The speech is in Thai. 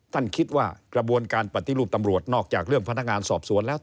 ท่านคิดว่ากระบวนการปฏิรูปตำรวจนอกจากเรื่องพนักงานสอบสวนแล้ว